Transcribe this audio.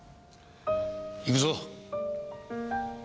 行くぞ。